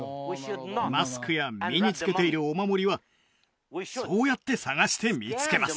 マスクや身につけているお守りはそうやって探して見つけます